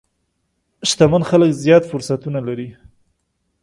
شتمن خلک زیات فرصتونه لري.